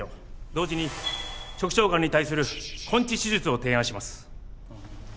同時に直腸癌に対する根治手術を提案します。